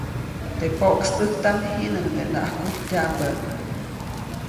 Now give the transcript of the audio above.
Teʼ pokstäjtaʼm jiʼnuŋdenaʼak kujtyaʼmbä.